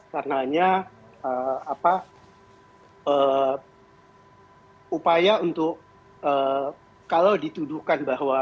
karenanya upaya untuk kalau dituduhkan bahwa